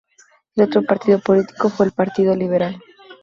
El otro partido político fue el Partido Liberal.